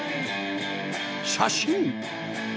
写真